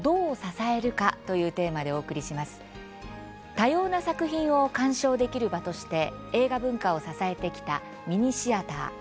多様な作品を鑑賞できる場として映画文化を支えてきたミニシアター。